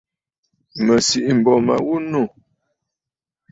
Mə̀ sìʼî m̀bô ma ghu nû.